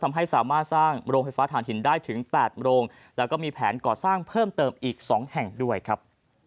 ทำให้สามารถสร้างโรงไฟฟ้าฐานหินได้ถึง๘โรงแล้วก็มีแผนก่อสร้างเพิ่มเติมอีก๒แห่งด้วยครับ